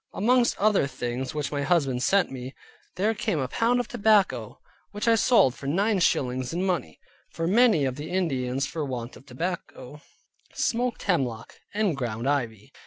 Amongst other things which my husband sent me, there came a pound of tobacco, which I sold for nine shillings in money; for many of the Indians for want of tobacco, smoked hemlock, and ground ivy.